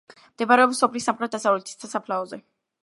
მდებარეობს სოფლის სამხრეთ-დასავლეთით, სასაფლაოზე.